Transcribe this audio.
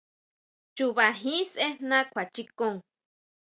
Chuba jín sʼejná kjuachikon.